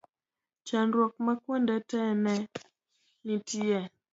chandruok ma kuonde te ne nitie